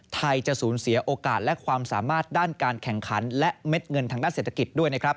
จะสูญเสียโอกาสและความสามารถด้านการแข่งขันและเม็ดเงินทางด้านเศรษฐกิจด้วยนะครับ